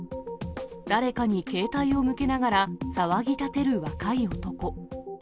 誰かに携帯を向けながら、騒ぎ立てる若い男。